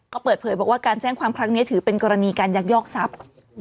ก็เปิดเผยบอกว่าการแจ้งความครั้งนี้ถือเป็นกรณีการยักยอกทรัพย์